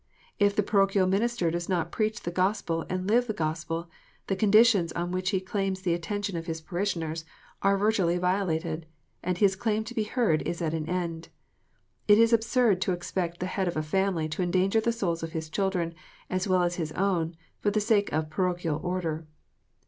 If the parochial minister does not preach the Gospel and live the Gospel, the conditions on which he claims the attention of his parishioners are virtually violated, and his claim to be heard is at an end. It is absurd to expect the head of a family to endanger the souls of his children, as well as his own, for the sake of " parochial order."